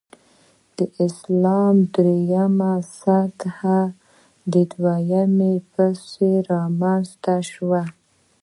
اسلام درېمه سطح دویمې پسې رامنځته شوه.